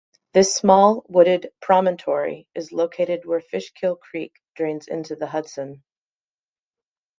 This small wooded promontory is located where Fishkill Creek drains into the Hudson.